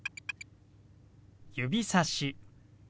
指さし。